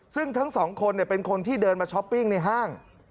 ซึ่งทั้งสองคนเป็นคนที่เดินมาช้อปปิ้งในห้าง